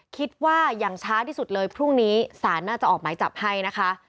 คิดว่าอย่างช้าที่สุดเลยพรุ่งนี้ศาลน่าจะออกหมายจับให้นะคะ